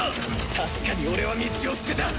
確かに俺は道を捨てた！